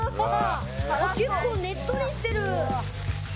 結構ねっとりしてる。